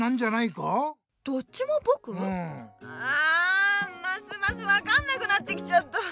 あますますわかんなくなってきちゃった。